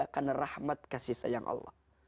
karena rahmat kasih sayang allah